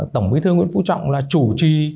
tổng bí thư nguyễn phú trọng là chủ trì